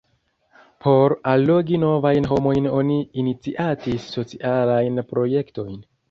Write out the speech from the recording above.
Por allogi novajn homojn oni iniciatis socialajn projektojn.